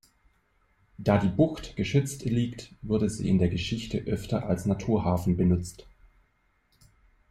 Da die Bucht geschützt liegt, wurde sie in der Geschichte öfter als Naturhafen benutzt.